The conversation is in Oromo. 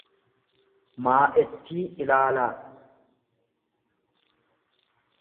maa'ettii ilaalaa.